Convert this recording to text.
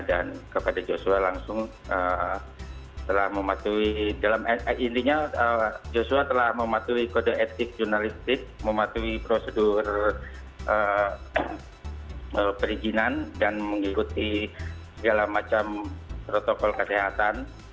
dan kepada joshua langsung telah mematuhi dalam intinya joshua telah mematuhi kode etik jurnalistik mematuhi prosedur perizinan dan mengikuti segala macam protokol kesehatan